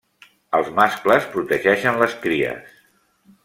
Els mascles protegeixen les cries.